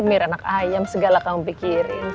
mir anak ayam segala kamu pikirin